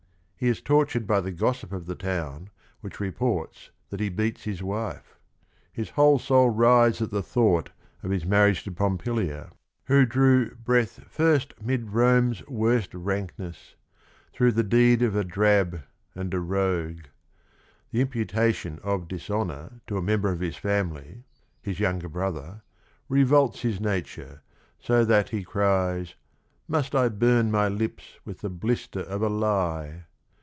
He is tortured by the gossip of the town which reports that he beats his wife. His whole soul writhes at the thought of his marriage to Pompilia, who drew "breath first mid Rome's worst rankness" through "the deed of a drab and a rogue." The imputation of dishonor to a member of his family — his younger brother — revolts his nature, so that he cries, "must I burn my lips with the blister of a lie."